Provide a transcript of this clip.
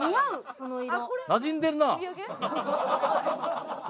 その色。